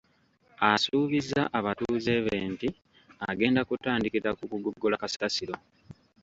Asuubizza abatuuze be nti agenda kutandikira ku kugogola kasasiro.